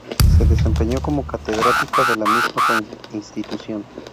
Se desempeñó como catedrática de la misma institución.